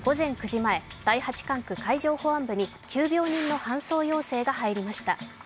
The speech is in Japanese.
時前第八管区海上保安部に急病人の搬送要請が入りました。